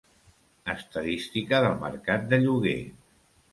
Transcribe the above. Estadística del mercat de lloguer.